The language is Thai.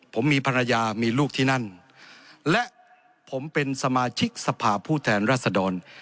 ผมมีภรรยามีลูกที่นั่นและผมเป็นสมาชิกสภาพผู้แทนรัศดร